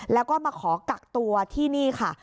แล้วก็มาขอกักตัวที่นี่ค่ะ